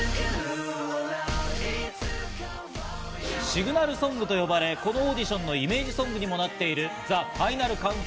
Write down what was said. シグナルソングと呼ばれ、このオーディションのイメージソングにもなっている『ＴｈｅＦｉｎａｌＣｏｕｎｔｄｏｗｎ』が課題曲。